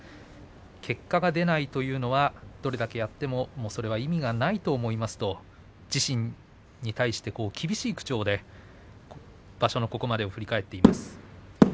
結果が出ないというのはどれだけやってももうそれは意味がないと思いますと自身に対して厳しい口調で場所のここまでを振り返っています。